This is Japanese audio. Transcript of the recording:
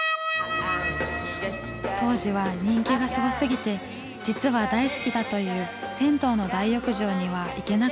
当時は人気がすごすぎて実は大好きだという銭湯の大浴場には行けなかったそうです。